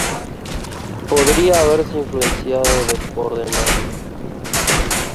Podría haberse influenciado de Pordenone.